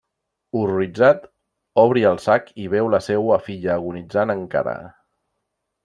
Horroritzat, obri el sac i veu la seua filla agonitzant encara.